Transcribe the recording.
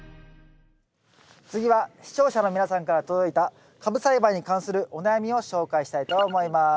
次は視聴者の皆さんから届いたカブ栽培に関するお悩みを紹介したいと思います。